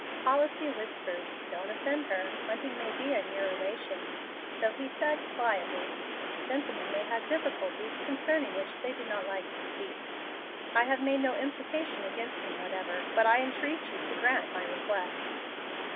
Policy whispered, "Don't offend her. Hunting may be a near relation;" so he said, quietly, "Gentlemen may have difficulties concerning which they do not like to speak. I have made no imputation against him whatever, but I entreat you to grant my request."